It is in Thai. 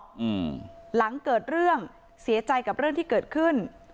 อืมหลังเกิดเรื่องเสียใจกับเรื่องที่เกิดขึ้น